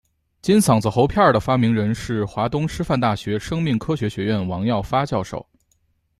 金嗓子喉片的发明人是华东师范大学生命科学学院王耀发教授。